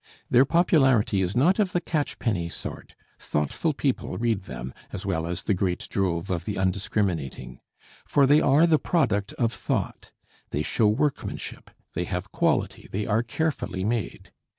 Their popularity is not of the catchpenny sort; thoughtful people read them, as well as the great drove of the undiscriminating. For they are the product of thought: they show workmanship; they have quality; they are carefully made.